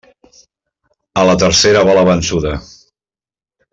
A la tercera va la vençuda.